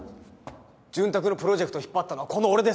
潤沢のプロジェクトを引っ張ったのはこの俺です！